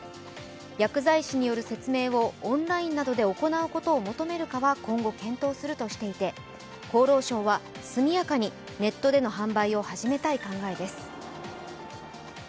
薬剤師による説明をオンラインで行うことを求めるかは今後検討するとしていて厚労省は速やかにネットでの販売を始めたい考えです。